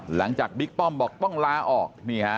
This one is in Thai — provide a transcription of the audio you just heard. หลังจากบิ๊กป้อมบอกต้องลาออก